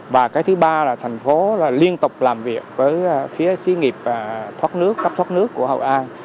và cái thứ ba là thành phố liên tục làm việc với phía xí nghiệp thoát nước cấp thoát nước của hội an